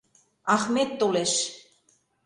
Ахмет толеш.